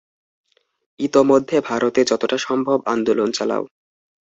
ইতোমধ্যে ভারতে যতটা সম্ভব আন্দোলন চালাও।